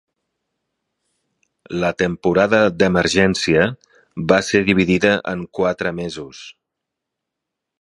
La temporada d'emergència va ser dividida en quatre mesos.